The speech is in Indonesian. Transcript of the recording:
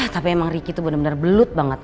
tapi emang riki tuh bener bener belut banget